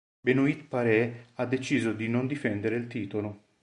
Benoît Paire ha deciso di non difendere il titolo.